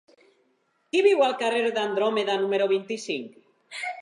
Qui viu al carrer d'Andròmeda número vint-i-cinc?